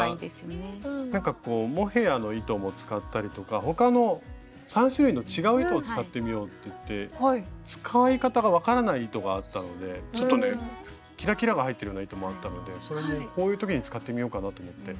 なんかこうモヘアの糸も使ったりとか他の３種類の違う糸を使ってみようっていって使い方が分からない糸があったのでちょっとねキラキラが入ってるような糸もあったのでそれもこういう時に使ってみようかなと思って。